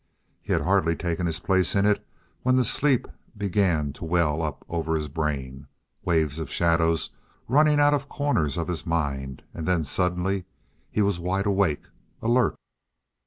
He had hardly taken his place in it when the sleep began to well up over his brain waves of shadows running out of corners of his mind. And then suddenly he was wide awake, alert.